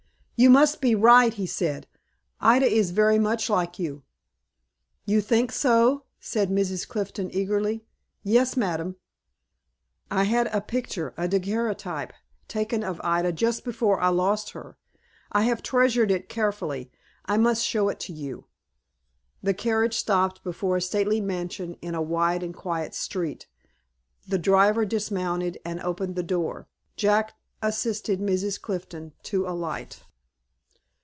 "You must be right," he said. "Ida is very much like you." "You think so?" said Mrs. Clifton, eagerly. "Yes, madam." "I had a picture a daguerreotype taken of Ida just before I lost her. I have treasured it carefully. I must show it to you." The carriage stopped before a stately mansion in a wide and quiet street. The driver dismounted, and opened the door. Jack assisted Mrs. Clifton to alight.